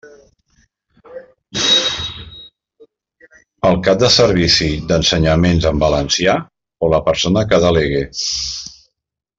El cap del Servici d'Ensenyaments en Valencià o la persona que delegue.